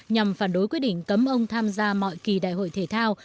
nhằm phản đối quyết định cấm ông tham gia mọi kỳ đại hội thể thao